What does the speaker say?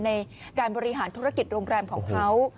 ในการบริหารธุรกิจโรงแรมของเขา